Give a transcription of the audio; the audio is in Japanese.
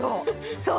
そう。